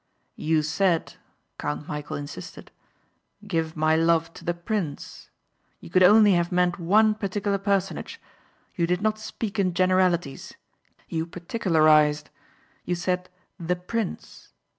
"You said," Count Michæl insisted, "'Give my love to the prince.' You could only have meant one particular personage. You did not speak in generalities you particularized. You said 'The prince.'